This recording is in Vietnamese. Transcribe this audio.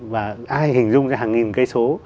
và ai hình dung ra hàng nghìn cây số